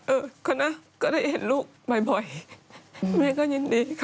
คนนะก็ได้เห็นลูกบ่อยแม่ก็ยินดีค่ะ